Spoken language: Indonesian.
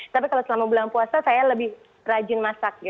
tapi kalau selama bulan puasa saya lebih rajin masak